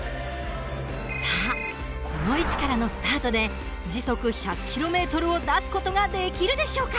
さあこの位置からのスタートで時速１００ｋｍを出す事ができるでしょうか？